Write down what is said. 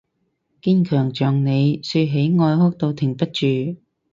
堅強像你，說起愛哭到停不住